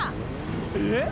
えっ？